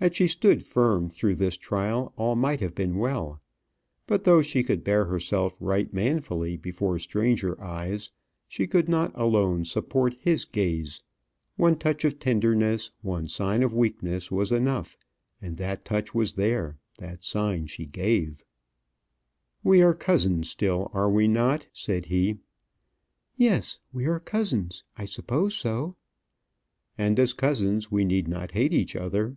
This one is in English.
Had she stood firm through this trial all might have been well; but though she could bear herself right manfully before stranger eyes, she could not alone support his gaze; one touch of tenderness, one sign of weakness was enough and that touch was there, that sign she gave. "We are cousins still, are we not?" said he. "Yes, we are cousins I suppose so." "And as cousins we need not hate each other?"